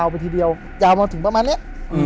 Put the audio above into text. ไปทีเดียวยาวมาถึงประมาณนี้